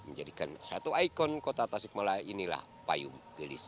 menjadikan satu ikon kota tasik malaya inilah payung gelis